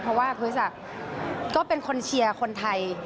เพราะว่าคริสต์ก็เป็นคนเชียร์คนไทย